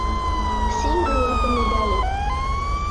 Singh grew up in New Delhi.